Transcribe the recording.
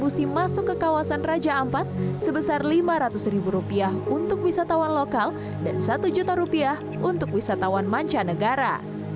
masuk ke kawasan raja ampat sebesar lima ratus ribu rupiah untuk wisatawan lokal dan satu juta rupiah untuk wisatawan mancanegara